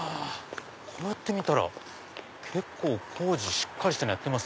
こうやって見たら工事しっかりしたのやってます。